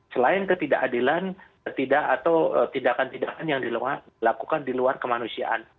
selain ketidakadilan atau tindakan tindakan yang dilakukan di luar kemanusiaan